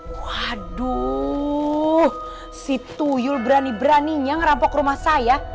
waduh si tuyu berani beraninya ngerampok rumah saya